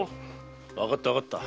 わかったわかった。